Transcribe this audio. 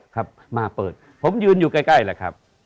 ครับมาเปิดผมยืนอยู่ใกล้แหละครับ